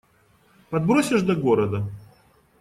Подбросишь до города?